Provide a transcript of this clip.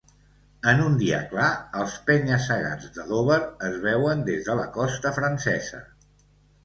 En un dia clar els penya-segats de Dover es veuen des de la costa francesa.